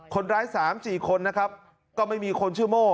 คนร้าย๓๔คนนะครับก็ไม่มีคนชื่อโม่